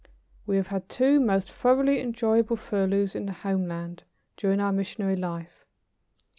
We have had two most thoroughly enjoyable furloughs in the homeland, during our missionary life.